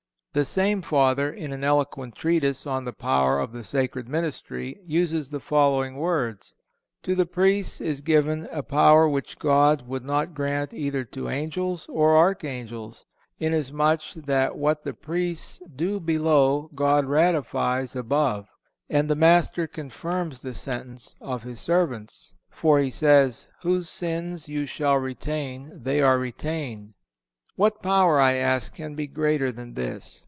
The same Father, in an eloquent treatise on the power of the sacred ministry, uses the following words: "To the Priests is given a power which God would not grant either to angels or archangels; inasmuch that what the Priests do below God ratifies above, and the Master confirms the sentence of His servants. For, He says, 'Whose sins you shall retain, they are retained.' "What power, I ask, can be greater than this?